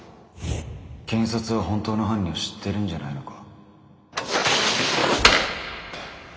検察は本当の犯人を知ってるんじゃないのか？